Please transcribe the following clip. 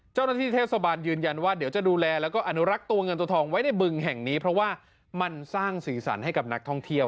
เจ้าหน้าที่เทศบาลยืนยันว่าเดี๋ยวจะดูแลแล้วก็อนุรักษ์ตัวเงินตัวทองไว้ในบึงแห่งนี้เพราะว่ามันสร้างสีสันให้กับนักท่องเที่ยว